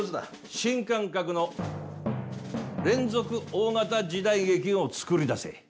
新感覚の連続大型時代劇をつくりだせ！